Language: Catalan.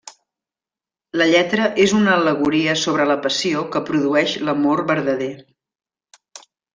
La lletra és una al·legoria sobre la passió que produeix l'amor verdader.